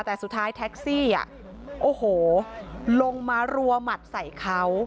แต่สุดท้ายแท็กซี่โอ้โหลงมารัวหมัดใส่เขา